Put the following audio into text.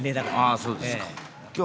ああそうですか。